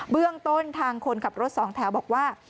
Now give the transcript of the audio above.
เรื่องต้นทางคนขับรถสองแถวบอกว่า